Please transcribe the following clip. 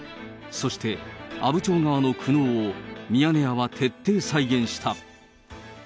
そして阿武町側の苦悩を、ミヤネ屋は徹底再現した。